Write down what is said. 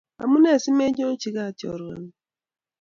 Amune simenyochi Kat choruengung?